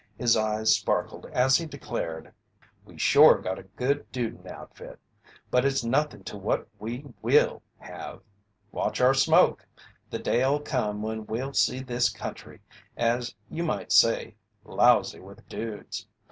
His eyes sparkled as he declared: "We shore got a good dudin' outfit! But it's nothin' to what we will have watch our smoke! The day'll come when we'll see this country, as you might say, lousy with dudes!